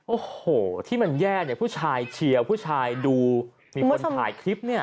โอ้โหที่มันแย่เนี่ยผู้ชายเชียร์ผู้ชายดูมีคนถ่ายคลิปเนี่ย